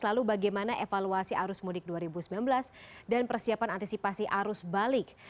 lalu bagaimana evaluasi arus mudik dua ribu sembilan belas dan persiapan antisipasi arus balik